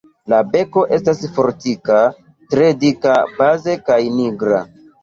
La beko estas fortika, tre dika baze kaj nigra.